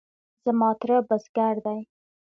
زما تره بزگر دی.